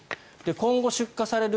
今後、出荷される